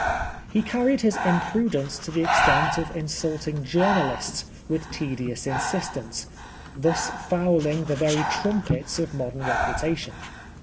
He carried his imprudence to the extent of in sulting journalists with tedious insistence, thus fouling the very trumpets of modern reputation.